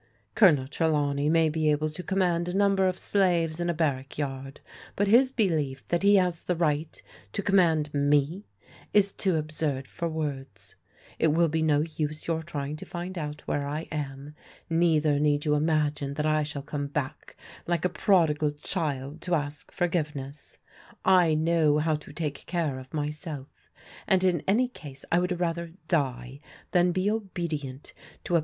Colonel Trelawney may be able to command a nimiber of slaves in a barrack yard, but his belief that he has the right to command tne, is too absurd for words. " It will be no use your trying to find out where I am. Neither need you imagine that I shall come back like a prodigal child to ask forgiveness. I know how to take care of myself, and in any case I would rather die than be obedient to a